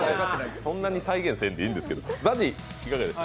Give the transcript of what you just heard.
そんなに再現せんでええんですけど。